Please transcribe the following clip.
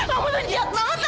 kamu tuh jahat banget dok